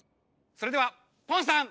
それではポンさん！